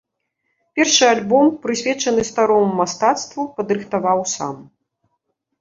Першы альбом, прысвечаны старому мастацтву, падрыхтаваў сам.